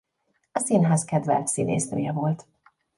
A színház kedvelt színésznője volt.